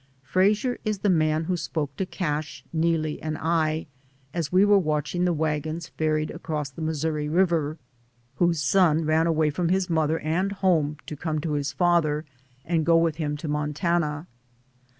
Frasier is the man who spoke to Casfi, NeeHe and I, as we were watching the wagons ferried across the Missouri River, whose son ran away from his mother, and home, to come to his father, and go with him to Montana.